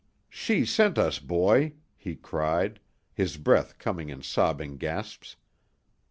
"She sent us, boy," he cried, his breath coming in sobbing gasps.